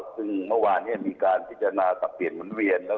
ซึ่งเมื่อวานมีการพิจารณาสับเปลี่ยนหมุนเวียน